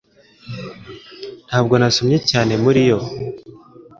Ntabwo nasomye cyane muri yo